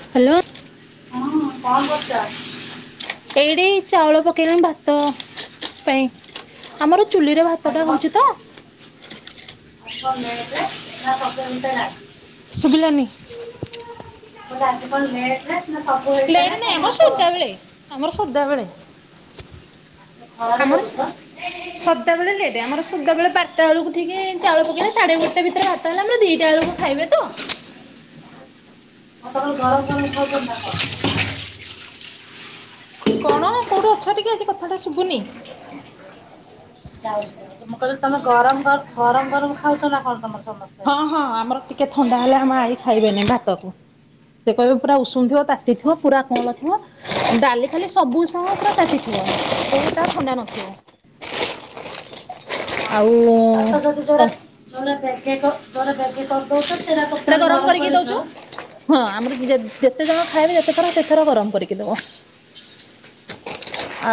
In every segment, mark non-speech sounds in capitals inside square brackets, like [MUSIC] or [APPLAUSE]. Hello ହଁ କଣ କରଛ? ଏଇଠି ଚାଉଳ ପକେଇଲାଣି ଭାତ ପାଇଁ ଆମର ଚୁଲିରେ ଭାତଟା ଆ ହଉଛି ତ ଆ ଲେଟ ରେ ସୁବିଲାନୀ ମୋର ଆଜି କଣ ଲେଟ ହେଲା ସବୁ ଲେଟ୍ ହେଇସାରିଲା ନାଇଁ ଖଲି ଆମର ଭାତ ସଦାବେଳେ ଆମର ସଦାବେଳେ ବସିଚି। ଆମର ଆଉ ସଦାବେଳେ ଲେଟେ ଆମର ସଦାବେଳେ ବାରଟା ବେଳକୁ ଠିକ୍ ଚାଉଳ ପକେଇଲେ ସାଢ଼େ ଗୋଟେ ଭିତରେ ଭାତ। ଯେତେ ହେଲେ ଆମେ ଦିଟା ବେଳ କୁ ଖାଇବେ ତ? [UNINTELLIGIBLE] ଆପଣ ଗରମ ଗରମ ଖାଉଛନ୍ତି ନା କଣ? କଣ କୋଉଠୁ ଅଛ ଟିକେ ଏଠି କଥାଟା ଶୁଭୁନି । ଯାଉଛି ଯାଉଛି । ମୁଁ କହିଲି ତମେ ଗରମ ଗ ଗରମ ଗରମ ଖାଉଛ ନା କଣ ତମର ସମସ୍ତେ। ହଁ ହଁ ଆମର ଟିକେ ଥଣ୍ଡା ହେଲେ ଆମ ଆଈ ଖାଇବେନି ଭାତକୁ ସେ କହିବେ ପୁରା ଉଷୁମ ଥିବ ତାତିଥିବ ହଁ ପୁରା କଅଁଳ ଥିବ ଡାଲି ଫାଲି ସବୁ ସହ ପୁରା ତାତିଥିବ କୋଉଟା ଥଣ୍ଡା ନଥିବ ଓହୋ ଆଉ ତାହାଲେ ତ ଯଦି ଜୋଉରା ଜୋଉରା [UNINTELLIGIBLE] ସେଟା ଗରମ କରିକି ଦଉଛୁ ହଁ ଆମର ଯେ ଯେ ଯେତେ ଜଣ ଖାଇବେ ଯେତେଥର ସେତେଥର ଗରମ କରିକି ଦବ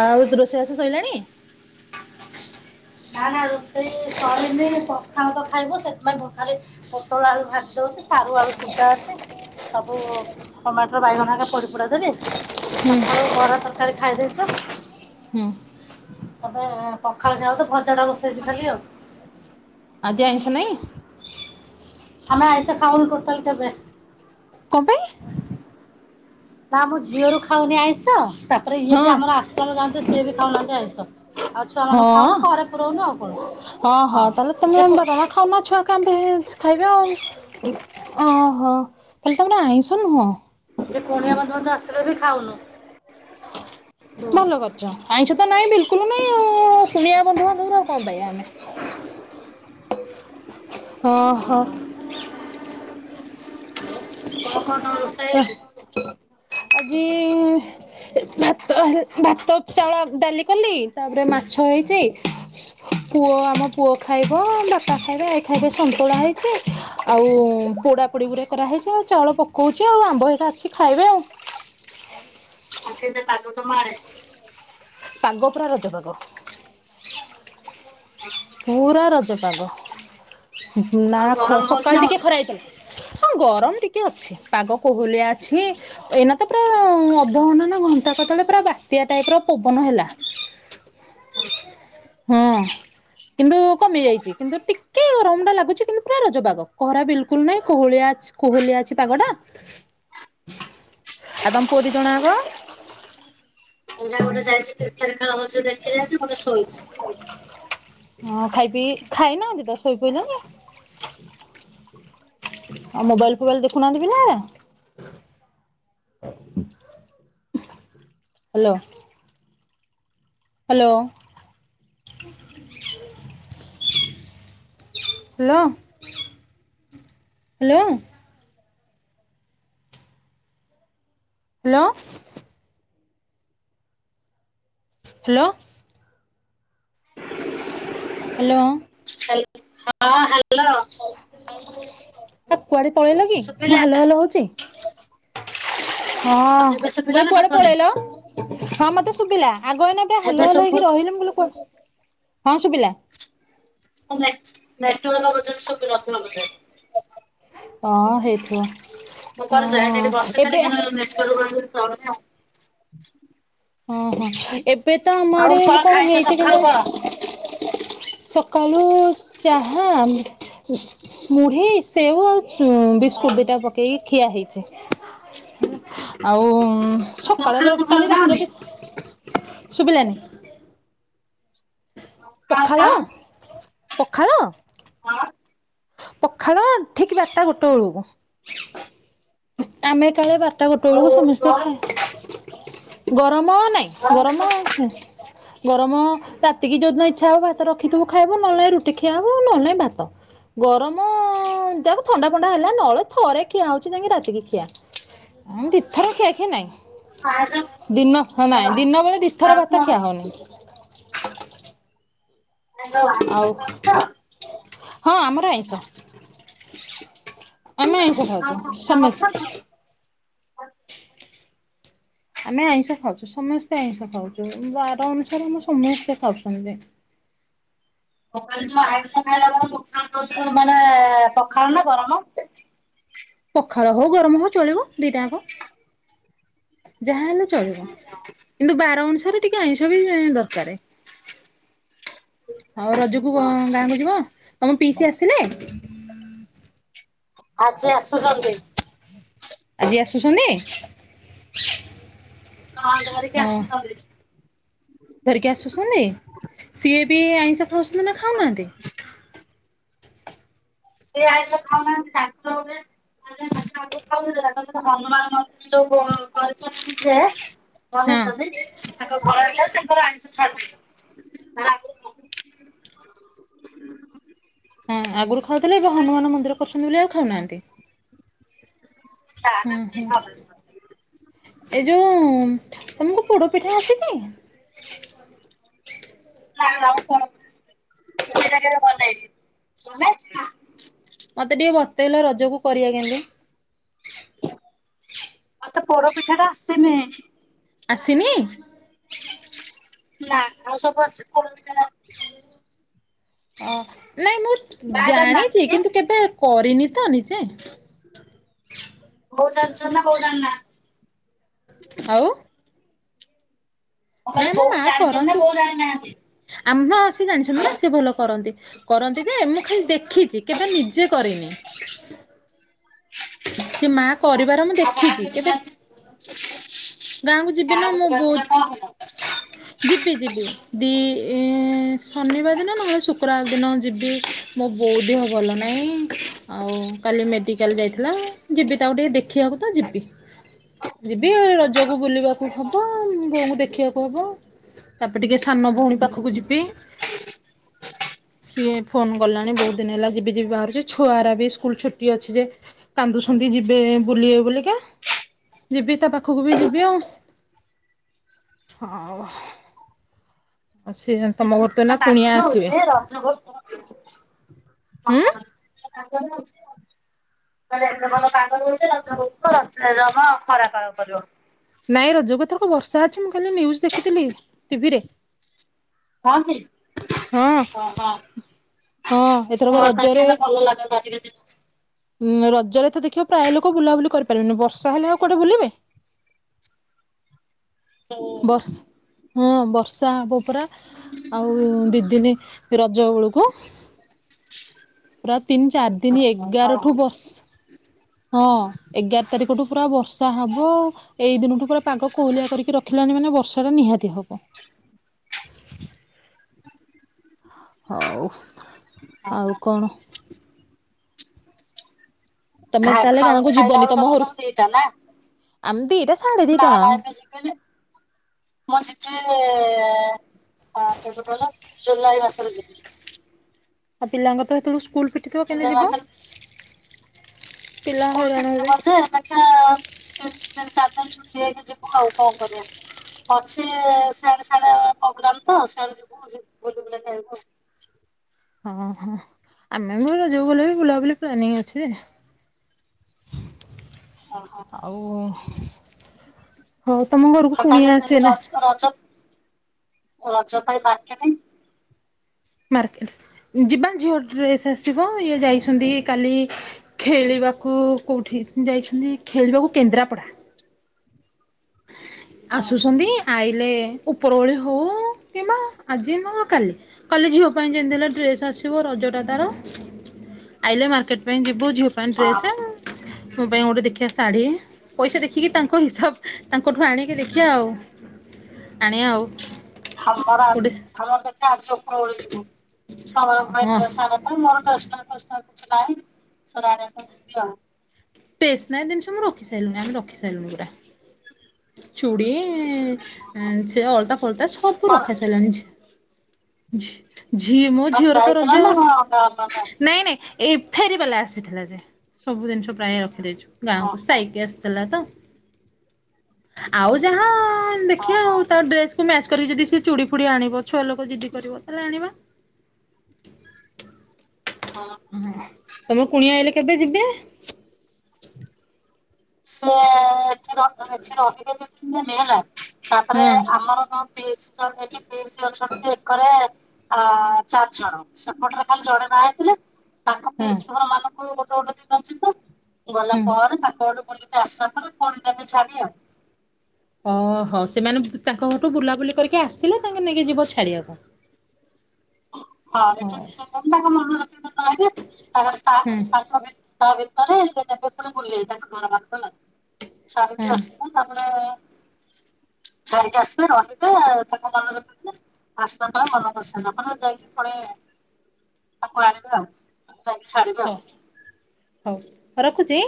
ଆଉ ରୋଷେଇବାସ ସଇଲାଣି । ନା ନା ରୋଷେଇ ସରିନି ପଖାଳ ତ ଖାଇବୁ ସେଥିପାଇଁ ମୁଁ ଖାଲି ପୋଟଳ ଆଳୁ ଭାଜି ଦଉଛି ସାରୁ ଆଳୁ ସିଝା ଅଛି ସବୁ ଟମାଟର ବାଇଗଣ ହେରିକା ପୋଡି ପୋଡା ଦେବି। ହୁଁ ସଖାଳୁ ବରା ତରକାରୀ ଖାଇ ଦେଇଛୁ। ହୁଁ। ଏବ ପଖାଳ ଖାଇବୁ ତ ଭଜା ଟା ବସେଇଚି । ଖାଲି ଆଉ । ଆଜି ଆଇଁଷ ନାଇଁ । ଆମେ ଆଇଁଷ ଖାଉନୁ ଟୋଟାଲ କେବେ। କଣ ପାଇଁ? ନା ମୁଁ ଝିଅରୁ ଖାଉନି ଆଇଁଷ । ତାପରେ ଇଏ ହଁ ବି ଆମର ଆଶ୍ରମ ଯାଆନ୍ତି । ସେ ବି ଖାଉ ନାହାଁନ୍ତି ଆଇଁଷ । ହଁ ହଁ ହଁ ତାହେଲେ ଯେ ତମେ ଜମା ଖାଉନ ମାଛ । ଖାଅନ୍ତେ ଖାଇବେ ଆଉ ଓହୋ ତାହଲେ ତମର ଆଇଁଷ ନୁହଁ । ଯେ କୁଣିଆ ବନ୍ଦୁ ବାନ୍ଧବ ଆସି ତେବେବି ଖାଉନୁ । ଭଲ କରୁଛ ଆଇଁଷ ତ ନାଇଁ ବିଲ ସେମାନେ [UNINTELLIGIBLE] ଶୁଣି ଆ ବନ୍ଧୁ ବା ସେଗୁରା କଣ ପାଇଆ ଆମେ ହଁ ହଁ । କ ଅ କଣ ରସେଇ ଆଜି । ଆଜି ଭାତ ହେ ଭାତ ଚାଉଳ ଡାଲି କଲି ତାପରେ ମାଛ ହେଇଛି ସ ପୁଅ ଆମ ପୁଅ ଖାଇବ ବାପା ଖାଇବେ ଏ ଖାଇବେ- ସନ୍ତୁଳା ହେଇଛି ଆଉ ପୋଡା ପୋଡି ଗୁରେ କରାହେଇଛି ଆଉ ଚାଉଳ ପକଉଛି । ଅଛି ଆଉ ଆମ୍ୱ ହେଇକା ଅଛି ଖାଇବେ ଆଉ। ଅ ଉ କେ- ତାକୁ ତୁ ମାରେନି- ପାଗ ପୁରା ରଜ ପାଗ । ପୁ-ଉ-ରା ରଜପାଗ। ନା ଆଉ ଖ ଗରମ ହଉଛି ନା ସକାଳ ଟିକେ ହଉନି? ଖରା ହେଇଥିଲା। ହଁ ଗରମ ଟିକେ ଅଛି। ପାଗ କୋହଲିଆ ଅଛି। ଏଇନା ତ ପୁରା-ଆ-ଆ-ଆ ଅଧଘଣ୍ଟା ନା ଘଣ୍ଟା କ ତଳେ ପୁରା ବାତ୍ୟା ଟାଇପ୍ ର ପବନ ହେଲା। ହଁ କିନ୍ତୁ କମି ଯାଇଛି। କିନ୍ତୁ ଟିକେ ଗରମ ଟା ଲାଗୁଛି। କିନ୍ତୁ ପୁରା ରଜପାଗ। କହରା ବିଲକୁଲ ନାହିଁ କୋହଳିଆ ଅଛ୍ କୋହଲିଆ ଅଛି ପାଗଟା। ଆଉ ତମ ପୁଅ ଦି ଜଣଆଙ୍କ ମୁନା ଗୋଟେ ଯାଇଛି [UNINTELLIGIBLE] [UNINTELLIGIBLE] ଦେଖି ଯାଇଛି ଗୋଟେ ଶୋଇଛି। ହଁ ଖାଇ ପିଇ ଖାଇନାହାନ୍ତି ତ ଶୋଇ ପଡିଲେଣି। ଆ ମୋବାଇଲ ଫୋବାଇଲ ଦେଖୁନାହାନ୍ତି ପିଲାମାନେ hello hello hello hello hello hello hello ହଁ ହାଲ [INAUDIBLE] ଆ କୁଆଡେ ପଳେଇଲ କି ମୁଁ ଶୁଭିଲା ହାଲୋ ହାଲୋ ହଉଛି ହଁ-ଅ-ଅ ଏବେ ଶୁଭିଲା ମୁଁ କହିଲି ନା କୁଆଡେ ଶୁଭୁନି? ପଳେଇଲ ହଁ ମତେ ଶୁଭିଲା। ଆଗ ଏଇନା ପୁରା ଏବେ ହାଲୋ ହାଲୋ ଶୁଭୁ ହେଇ କି ରହିଲି ମୁଁ କହିଲି କୁଆ ହଁ ଶୁଭିଲା। ନେ ନେଟ୍ରୋଵାଲା ବ ଜ ସୁବୁ ନଥିବ ବୋଧେ ହଁ ହ ହେଇଥିବ ମୁଁ କୁଆଡେ ଯାଇନିରେ ଏଠି ହଁ ବସିଥିଲି ଏବେ କିନ୍ତୁ ନେଟୱର୍କ [UNINTELLIGIBLE] [INAUDIBLE] ଓଁ ହଁ ଏବେ ତ ଆମ ଆଡେ କଣ ଖାଇଛ ହେଇଛି ସକାଳୁ କଣ? କେଜାଣି ସ କାଲୁ-ଉ-ଉ ଚାହା ମୁଢ଼ୀ, ସେଉ ଆଉ ହଁ ହଁ ବିସ୍କୁଟ ଦିଟା ପକେଇକି ଖିଆ ହେଇଛି। ଆଉ-ଉ-ଉ ଉ ସକାଳୁ ସକାଳର ପଖାଳ କାଲି ରାତିର ଖାଅନି? ବି ଶୁଭିଲାନି ପଖାଳ ଖାଅନି? ପଖାଳ ପଖାଳ ଠିକ୍ ବାରଟା ଗୋଟେ ବେଳକୁ। ଆମେ କଲେ ଵାର ଟା ଗୋଟେ ଆଉ ବେଳକୁ ସମସ୍ତେ ଖାଇ ଗରମ ନାଇଁ କଣ? ଗରମ ହିଁ ଗରମ ରାତିକି ଯୋଉଦିନ ଇଚ୍ଛା ହବ ଭାତ ରଖିଥିବୁ ଖାଇବ ନହେଲେ ରୁଟି ଖିଆ ହବ ନହଲେଁ ଭାତ ଗରମ ଯାକ ଥଣ୍ଡା ଫଣ୍ଡା ହେଲା ନହେଲେ ଥରେ ଖିଆ ହଉଛି ଯାଇକି ରାତି ସେତିକି ଖିଆ ଉଁ ଦିଥର ଖିଆ ଖିଇ ନାହିଁ। ଦିନ ନାଇଁ ଦିନ ବେଳେ ଦିଥର ସକାଳେ ଭାତ ଖିଆ ହଉନି। ହ୍ୟାଲୋ ଆଉ ଆଇଁଷ ଖାଉଛ? ହଁ ଆମର ଆଇଁଷ। ଆମେ ଆଇଁଷ ଖାଉଛୁ ସମସ୍ତେ। ଆମେ ଆଇଁଷ ଖାଉଛୁ ସମସ୍ତେ ଆଇଁଷ ଖାଉଛୁ ବାର ଅନୁସାରେ ଆମେ ସମସ୍ତେ ଖାଉଛନ୍ତି। ସଖାଳେ ଯୋଉ ଆଇଁଷ ଖାଇଲା ବେଳେ ପୋଟଳ [UNINTELLIGIBLE] ଖାଅ ନା ଗରମ ପଖାଳ ହଉ ଗରମ ହଉ ଚଳିବ ଦିଟାଙ୍କ ଯାହା ହେଲେ ଚଳିବ କିନ୍ତୁ ବାର ଅନୁସାରେ ଟିକେ ଆଇଁଷ ବି ଦରକାରେ। [INAUDIBLE] ଆଉ ରଜକୁ ଅ ଗାଁକୁ ଯିବ ତମ ପିଇସି ଆସିଲେ? [INAUDIBLE] ଆଜି ଆସୁଛନ୍ତି। ଆଜି ଆସୁଛନ୍ତି? ବନ୍ଦ କରିକି ହଁ ଆସୁଛନ୍ତି। ଧରିକି ଆସୁଛନ୍ତି ସିଏ ବି ଆଇଁଷ ଖାଉଛନ୍ତି ନା ଖାଉନାହାନ୍ତି? ସେ ଆଇଁଷ ଖାଉନାହାନ୍ତି ଦାନ୍ତ ରେ [UNINTELLIGIBLE] ଯୋଉ କରିଛନ୍ତି ଯେ ହଁ କରିଛନ୍ତି। ତାଙ୍କ ଗଳା [UNINTELLIGIBLE] ତାଙ୍କର ଆଇଁଷ ଛାଡି ଦେଇଛନ୍ତି। ହଁ ଆଗରୁ ଖାଉଥିଲେ ଏବେ ହନୁମାନ ମନ୍ଦିର ପସୁନି ବୋଲି ଆଉ ଖାଉନାହାନ୍ତି। ହୁଁ ହୁଁ ଏ ଯୋଉ ଉଁ- ତୁମକୁ ପୋଡ ପିଠା ଆସିଛି? ନା ଆଉ କଣ ମୁଁ ଦୁଇ ଜାଗା ରେ ବନେଇଛି ତୁମେ? ମତେ ଟିକେ ବତେଇଲ ରଜକୁ କରିବା କେମିତି? ମତେ ପୋଡ଼ ପିଠା ଟା ଆସିନି। ଆସିନି? ନା ଆଉ ସବୁ ଆସିଛି ପୋଡ଼ ପିଠା ଟା ଆସିନି। ଓ। ନାଇଁ ମୁଁ ମା ଜାଣିନାହାନ୍ତି ଜାଣିଛି କି? କିନ୍ତୁ କେବେ କରିନି ତ ନିଜେ। ହଉ [UNINTELLIGIBLE] କହୁ [UNINTELLIGIBLE] ଆଉ ମୁଁ କହିଲି ବଉ ଜାଣିଛନ୍ତି ନା ବଉ ଜାଣିନାହାନ୍ତି? ଆମ୍ହ ସେ ଜାଣିଛନ୍ତି ନା ସେ ଭଲ କରନ୍ତି। କରନ୍ତି ଯେ ମୁଁ ଖାଲି ଦେଖିଛି କେବେ ନିଜେ କରିନି। ହ ସେ ମା ଆଉ କରିବାର ମୁଁ ମା ଦେଖିଛି କିଛି କେବେ ଜାଣିଛି ଗାଁକୁ ଯିବି ମା ନା କୁ ମୁଁ ବୋଧ ପଚାରିଲେ କଣ ହେଲା? ଯିବି ଯିବି ଦି [UNINTELLIGIBLE] ଏଁ ଶନିବାର ଦିନ ନହେଲେ ଶୁକ୍ରବାର ଦିନ ଯିବି ମୋ ବୋଉ ଦେହ ଭଲ ନାହିଁ ଆଉ କାଲି ମେଡ଼ିକାଲ ଯାଇି- ହେଲା ଯିବି ତାକୁ ଟିକେ ଦେଖିବାକୁ ତ ଯିବି ଯିବି ରଜକୁ ବୁଲିବାକୁ ହବ ବୋଉଙ୍କୁ ଦେଖିବାକୁ ହବ, ତାପରେ ଟିକେ ସାନ ଭଉଣୀ ପାଖକୁ ଯିବି ସିଏ ଫୋନ କଲାଣି ବହୁତ ଦିନ ହେଲା ଯିବି ଯିବି ବାହାରୁଛି ଛୁଆର ବି ସ୍କୁଲ ଛୁଟି ଅଛି ଯେ କାନ୍ଦୁଛନ୍ତି ଯିବେ ବୁଲିବେ ବୋଲିକା ଯିବି ତା ପାଖକୁ ବି ଯିବି ଆଉ ହଉ। ଆ ସେଆ। ନା ପାଖ ତ ହଉଛେ ରଜ [UNINTELLIGIBLE] [UNINTELLIGIBLE] ହୁଁ ପାଗ ଦଉଛି ରଜ ଯମା ଖରା ପାଗ କରିବ। ନାଇଁ ରଜ କୁ ଏଥରକ ବର୍ଷା ଅଛି ମୁଁ କାଲି ନ୍ୟୁଜ ଦେଖିଥିଲି ଟିଭିରେ। ହଁ କି ହଁ ଓ ହୋ। ହଁ ଏଥରକ ହଁ ତାକି ରଜରେ ହେଲେ ଭଲ ଲାଗାନ୍ତା ଟିକେ। ଉଁ ରଜରେ ତ ଦେଖିବ ପ୍ରାୟ ଲୋକ ବୁଲାବୁଲି କରିପାରିବେନି। ବର୍ଷା ହେଲେ ଆଉ କୋଉଠେ ବୁଲିବେ? ଓ ବର୍ଷା ହଁ ବର୍ଷା ହବ ପୁରା ଆଉ ଦିଦିନି ରଜ ବଳକୁ। ପ୍ରତ ତିନି ଚାରି ଦିନ ଏଗାରଠୁ ବର୍ସ ହଁ। ଏଗାର ତାରିଖଠୁ ପୁରା ବର୍ଷ ଷା ହବ ଆଉ ଏଇ ଦିନଠୁ ପୁରା ପାଗ କୋହଲିଆ କରିକି ରଖିଲାଣି ମାନେ ବର୍ଷ ଏରା ନିହାତି ହବ। ହଉ। ଆଉ କଣ? ତମେ ତାହେଲେ ଖା-ଖାଉ ଗାଁକୁ ଖାଇଲା ବେଳୁ ତମର ସବୁ ଦିଟା ନା। ଆମ୍ ଦିଇଟା ନା ନା ଏବେ ଶିଖିବିନି ମୁଁ ଶିଖି [UNINTELLIGIBLE] ଏଁ ଏ କେବେ କହିଲୁ? ଜୁଲାଇ ମାସରେ ଯିବି। ଆ ପିଲାଙ୍କର ତ ହେତେଳୁ ସ୍କୁ ସ୍କୁଲ ଫିଟିଥିବ କିଁତି ଜୁଲାଇ ଯିବ? ମାସରେ ପିଲା ସ୍କୁଲ ହଇରାଣ ଫିର୍ ହେବେ ଯିବ ସେ ଦେଖିବା [UNINTELLIGIBLE] ତିନଚାରି ଦିନ ଛୁଟି ନେଇକି ଯିବୁ ଆଉ କଣ କରିବା । ଅଛି ସିଆଡେ ସିଆଡେ ପ୍ରୋଗ୍ରାମ୍ ତ ସିଆଡେ ଯିବୁ ଯିବୁ ବୁଲି ବୁଲାକି ଆଇବୁ ଆଉ। ଉ ହୁଁ। ଆମେ ବି ରଜ କୁ ଗଲେ ବି ବୁଲାବୁଲି ପ୍ଲାନିଂ ଅଛି ଯେ। ଓହୋ ଆଉ ହଉ ତମ ଘରକୁ ଆଉ ତାହେଲେ କୁଣିଆ ତାହେଲେ ଆସିଗଲେ। ରଜ ରଜ ରଜ ପାଇଁ ବାର୍କେଟିଂ ମାର୍କେଟ ଯିବା ଝିଅ ଡ୍ରେସ୍ ଆସିବ ଇଏ ଯାଇଛନ୍ତି କାଲି ଖେଳିବାକୁ କୋଉଁଠି ଯାଇଛନ୍ତି ଖେଳିବାକୁ କେନ୍ଦ୍ରାପଡ଼ା। ହଁ ଆସୁସନ୍ତି? ଆଇଲେ ଉପର ଓଳି ହେଉ କିମ୍ବା ଆଜି ନହେ କାଲି କାଲି ଝିଅ ପାଇଁ ଯେମିତି ହେଲେ ଡ୍ରେସ୍ ଆସିବ ରଜଟା ତା ର ଆଇଲେ ମାର୍କେଟ [UNINTELLIGIBLE] ପୁଅ ଝିଅ ପାଇଁ ଡ୍ରେସ ଆଉ ମୋ ପାଇଁ ଗୋଟେ ଦେଖି ଆସ ଶାଢ଼ୀ ପଇସା ଦେଖିକି ତାଙ୍କ ହିସାବ ତାଙ୍କଠୁ ଆଣିକି ଦେଖିବା ଆଉ ଆଣିବା ଆଉ ହାମରା ଗୋଟେ ହମ ଦେ ହଁ [UNINTELLIGIBLE] [UNINTELLIGIBLE] [UNINTELLIGIBLE] ଟେସନାରି ଜିନିଷ ମୁଁ ରଖି ସାରିଲିଣି ଆମେ ରଖୁ ସାଇଳୁଣି ପୁରା ଚୁଡ଼ି ସେ ଅଳତା ଫଲତା ସବୁ କଣ ରଖା ସରିଲାଣି ଛି [INAUDIBLE] ଝି ମୋ ତମେ ଝିଅର ତ ଯାଇଥିଲ ନା ରଜଆଉ କଣ ମାନେ ନାଇଁ ନାଇଁ ଏଇ ଫେରିବାଲା ଆସିଥିଲା ଯେ ସବୁ ଜିନିଷ ପ୍ରାୟ ରଖିଦେଇଛୁ। ଗାଁ କୁ ଓହୋ ସାଇକି ଆସିଥିଲା ତ ଆଉ ଯାହା ହଁ ଦେଖିବା ଓହୋ ଆଉ ତା ଡ୍ରେସକୁ ମ୍ୟାଚ କରିକ ଯଦି ଚୁଡ଼ି ଫୁଡି ଆଣିବ ଛୁଆ ଲୋକ ଯିଦି କରିବ ତାହେଲେ ଆଣିବା। ହଁ। ହଁ ତମର କୁଣିଆ ଆଇଲେ କି? କେବେ ଯିବେ? ସେ ଏଁ ଏଁ ଏ ଏଠି ରହିବେ [UNINTELLIGIBLE] ତାପରେ ହଁ ଆମର କଁ ପିସି ହେଇକି ପିସି ଅଛନ୍ତି ଏକରେ ଅଁ ଚାରି ଜଣ ସେପଟରେ ଖାଲି ଜଣେ ବାହା ହେଇଥିଲେ ତାଙ୍କ ହଁ ପାଇଁ ସହରମାନଙ୍କୁ ତୁ ଯଦି ନଯିବୁ? ଗଲା ହୁଁ ପରେ ତାଙ୍କ ଆଡ଼ୁ ବୋଲି ତ ଆସିନଥିଲେ ଫୁଣି ଦେବେ ଛାଡ଼ି ଆଉ। ଓହୋ ସେମାନେ ତାଙ୍କ ଘଠୁ ବୁଲାବୁଲି କରିକି ଆସିଲେ ତାଙ୍କେ ନେଇକି ଯିବ ଛାଡିବାକୁ। ହଁ ହଉ ଏକ୍ଚୁଲି [UNINTELLIGIBLE] ତାଙ୍କ ମନ [UNINTELLIGIBLE] କାଇଦେ [INAUDIBLE] ଷ୍ଟାଫ୍ ହୁଁ ତାଙ୍କୁ ବି ତା ଭିତରେ ସେ କେବେ ଥରେ ବୁଲିବେ ତାଙ୍କ ଘର ପାଖ ହେଲା। ଛାଡି଼କି ହୁଁ ଆସିବୁ ତାପରେ ଛାଡି଼କି ଆସିଲେ ରହିବେ ତାଙ୍କ ମନ ଯଦି [UNINTELLIGIBLE] ଆସିଲା ପରେ ମନ କରି ସାଇଲା ପରେ ଯାଇକି ଫୁଣି ତାକୁ ଆଣିବେ ଆଉ ତା ଯାଇକି ଛିଡ଼ିବେ ହଉ ଆଉ। ହଉ ରଖୁଚି।